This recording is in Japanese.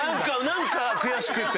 何か悔しくて。